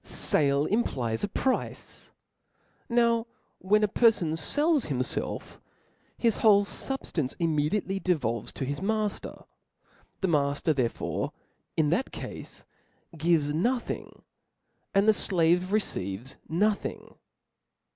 Sale implies a price ,. now when ^ P^^fon ^j^^^^^ iells himfelf, his whole fubftance immediately de volves to his mafter ; the mafter therefore in that cafe gives nothing, and the (lave receives nothing.